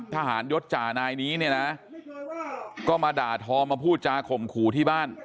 ทหารยศจ่านายนี้เนี่ยนะก็มาด่าทอมาพูดจาข่มขู่ที่บ้าน